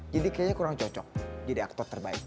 jadi kayaknya kurang cocok jadi aktor terbaik